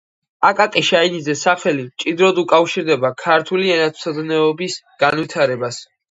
აკაკი შანიძეს სახელი მჭიდროდ უკავშირდება ქართული ენათმეცნიერების განვითარებას.